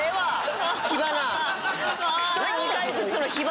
１人２回ずつの火花。